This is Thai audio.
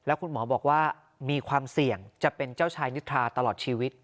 คุณหมอบอกว่ามีความเสี่ยงจะเป็นเจ้าชายนิทราตลอดชีวิต